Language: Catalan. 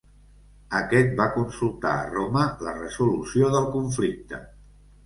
Aquest va consultar a Roma la resolució del conflicte.